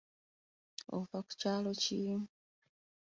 Ova ku kyalo ki?